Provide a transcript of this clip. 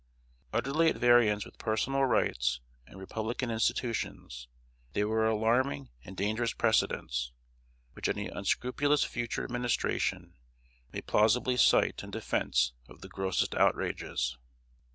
Utterly at variance with personal rights and republican institutions, they were alarming and dangerous precedents, which any unscrupulous future administration may plausibly cite in defense of the grossest outrages.